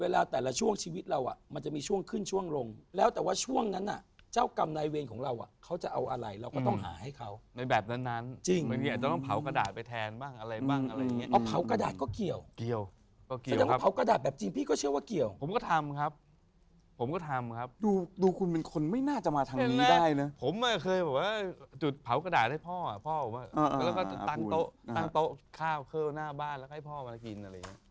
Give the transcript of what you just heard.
แล้วก็ตั้งโต๊ะตั้งโต๊ะข้าวเข้าหน้าบ้านแล้วก็ให้พ่อมากินอะไรอย่างนี้